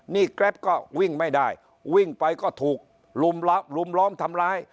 นี่แกรปก็วิ่งไม่ได้วิ่งไปก็ถูกลุมล้อมทำร้าย